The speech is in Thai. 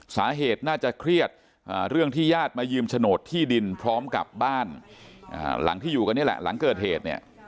สาเหตุน่าจะเครียดเรื่องที่ญาติมายืมโฉนดที่ดินพร้อมกับบ้านหลังที่อยู่กันนี่แหละหลังเกิดเหตุเนี่ย